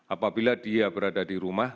apabila dia berada di rumah